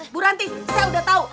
bu ranti saya udah tahu